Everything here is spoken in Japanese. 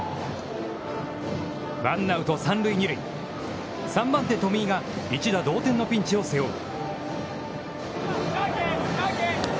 １アウト三塁二塁、３番手、冨井が一打同点のピンチを背負う。